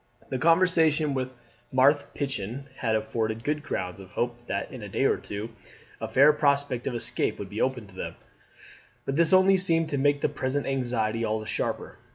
The conversation with Marthe Pichon had afforded good grounds of hope that in a day or two a fair prospect of escape would be open to them; but this only seemed to make the present anxiety all the sharper.